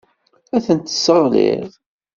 Ad tent-tesseɣliḍ.